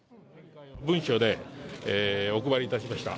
文書でお配りいたしました。